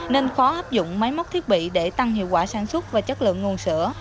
nên khó áp dụng máy móc thiết bị để tăng hiệu quả sản xuất và chất lượng nguồn sữa